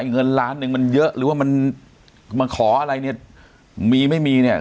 เงินล้านหนึ่งมันเยอะหรือว่ามันมาขออะไรเนี่ยมีไม่มีเนี่ย